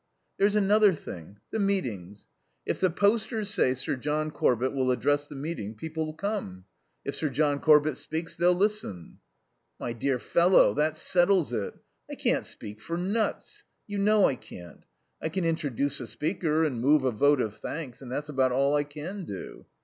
"There's another thing the meetings. If the posters say Sir John Corbett will address the meeting people'll come. If Sir John Corbett speaks they'll listen." "My dear fellow, that settles it. I can't speak for nuts. You know I can't. I can introduce a speaker and move a vote of thanks, and that's about all I can do.